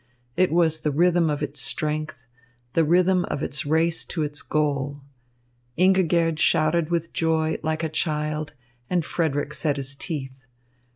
It was the rhythm of its strength, the rhythm of its race to its goal. Ingigerd shouted with joy, like a child, and Frederick set his teeth.